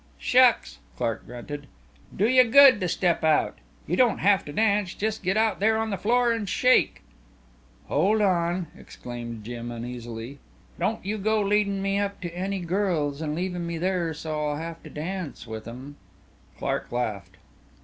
"Shucks!" Clark grunted. "Do you good to step out. You don't have to dance just get out there on the floor and shake." "Hold on," exclaimed Jim uneasily, "Don't you go leadin' me up to any girls and leavin' me there so I'll have to dance with 'em." Clark laughed.